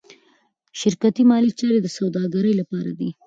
شرکتي مالي چارې د سوداګرۍ لپاره دي.